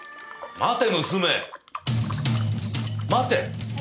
待て！